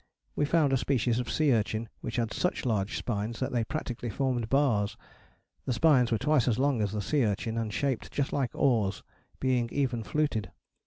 We found a species of sea urchin which had such large spines that they practically formed bars; the spines were twice as long as the sea urchin and shaped just like oars, being even fluted.